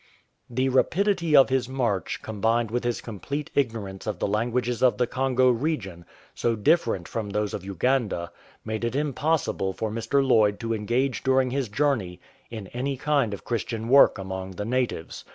The rapidity of his march, combined with his complete ignorance of the languages of the Congo region, so differ ent from those of Uganda, made it impossible for Mr. Lloyd to engage during his journey in any kind of Chris tian work among the natives.